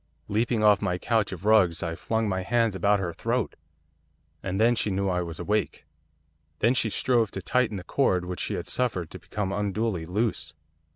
Leaping off my couch of rugs, I flung my hands about her throat, and then she knew I was awake. Then she strove to tighten the cord which she had suffered to become unduly loose.